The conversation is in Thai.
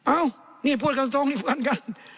อ้าวนี่พูดกันตรงนี่พูดกันกัน